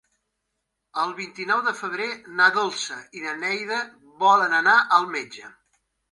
El vint-i-nou de febrer na Dolça i na Neida volen anar al metge.